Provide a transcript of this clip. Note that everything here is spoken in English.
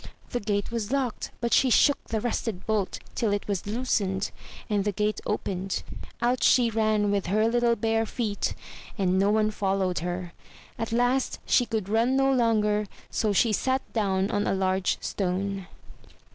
The gate was locked, but she shook the rusted bolt till it was loosened, and the gate opened; out she ran with her little bare feet and no one followed her. At last she could run no longer so she sat down on a large stone.